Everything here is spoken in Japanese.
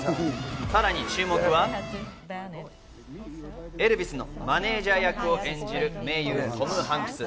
さらに注目は、エルヴィスのマネージャー役を演じる名優トム・ハンクス。